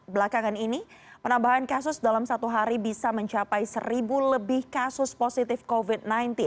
belakangan ini penambahan kasus dalam satu hari bisa mencapai seribu lebih kasus positif covid sembilan belas